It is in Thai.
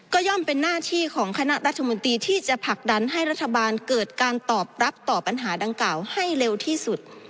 ก็ย่อมเป็นหน้าที่ของคณะรัฐมนตรีที่จะผลักดันให้รัฐบาลเกิดการตอบรับต่อปัญหาดังกล่าวให้เร็วที่สุด